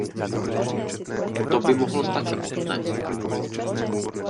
To by mohlo stačit, ne?